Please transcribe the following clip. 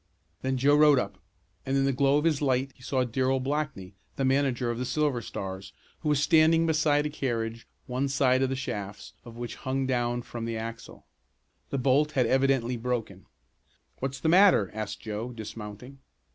Then Joe rode up, and in the glow of his light he saw Darrell Blackney, the manager of the Silver Stars, who was standing beside a carriage one side of the shafts of which hung down from the axle. The bolt had evidently broken. "What's the matter?" asked Joe, dismounting.